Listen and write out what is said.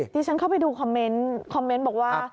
ที่ฉันเข้าไปดูคอมเมนต์คอมเมนต์บอกว่า